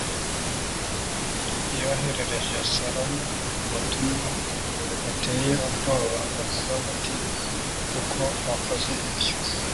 yoherereje salomo ubutumwa buteye ubwoba buvuga buti kuko wakoze ibyo